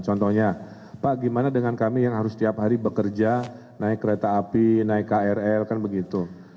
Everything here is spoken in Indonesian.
contohnya pak gimana dengan kami yang harus setiap hari bekerja naik kereta api naik krl kan begitu